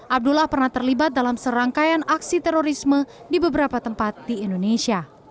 abdullah pernah terlibat dalam serangkaian aksi terorisme di beberapa tempat di indonesia